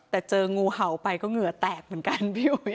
แต่เจองูเห่าไปก็เหงื่อแตกเหมือนกันพี่อุ๋ย